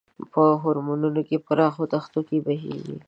په هوارو پراخو دښتو کې بهیږي.